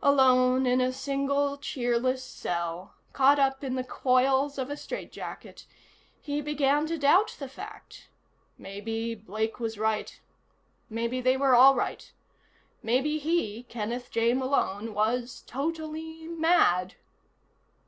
Alone, in a single cheerless cell, caught up in the toils of a strait jacket, he began to doubt the fact. Maybe Blake was right; maybe they were all right. Maybe he, Kenneth J. Malone, was totally mad.